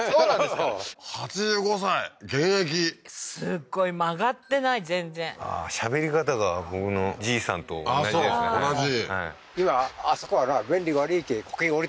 すっごい曲がってない全然ああしゃべり方が僕のじいさんと同じですね同じ？